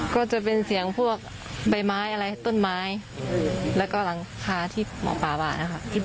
ก็จะเป็นเสียงพวกใบไม้อะไรต้นไม้แล้วก็หลังคาที่หมอปลาว่านะครับ